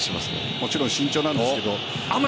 もちろん慎重なんですけど。